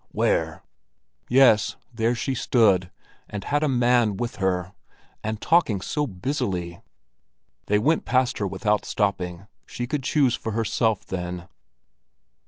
"Where?" Yes, there she stood, and had a man with her! And talking so busily! They went past her without stopping; she could choose for herself, then.